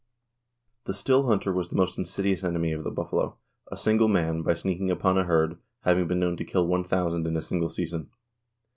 The still hunter was the most insidious enemy of the buffalo, a single man, by sneaking upon a herd, having been known to kill one thousand in a single season.